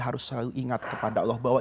harus selalu ingat kepada allah bahwa